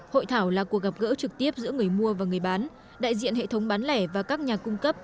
hội thảo là cuộc gặp gỡ trực tiếp giữa người mua và người bán đại diện hệ thống bán lẻ và các nhà cung cấp